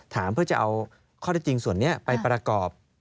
เพื่อจะเอาข้อได้จริงส่วนนี้ไปประกอบ